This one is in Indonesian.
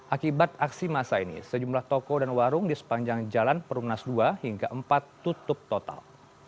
akibat aksi masa ini sejumlah toko dan warung di sepanjang jalan perumnas dua hingga empat tutup total